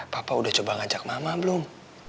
papa udah coba ngajak mama belum